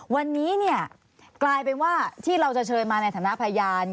วันนี้เนี่ยกลายเป็นว่าที่เราจะเชิญมาในฐานะพยาน